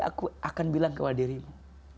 aku akan bilang kepada dirimu